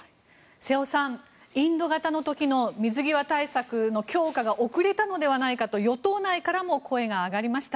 瀬尾さん、インド型の時の水際対策の強化が遅れたのではないかと与党内からも声が上がりました。